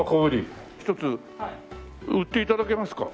１つ売って頂けますか？